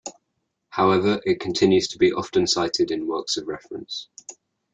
However, it continues to be often cited in works of reference.